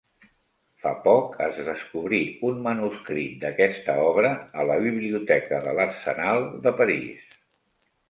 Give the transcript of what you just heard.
Fa poc es descobrí un manuscrit d'aquesta obra a la Biblioteca de l'Arsenal de París.